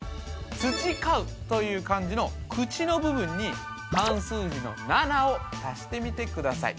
「培う」という漢字の「口」の部分に漢数字の「七」を足してみてください